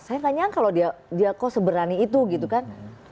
saya tanya kalau dia kok seberani itu gitu kan